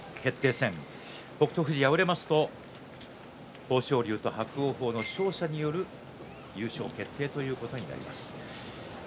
戦北勝富士、敗れますと豊昇龍と伯桜鵬の勝者による優勝決定ということになります。